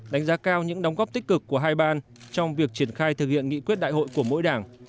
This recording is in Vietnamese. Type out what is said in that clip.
đánh giá cao những đóng góp tích cực của hai ban trong việc triển khai thực hiện nghị quyết đại hội của mỗi đảng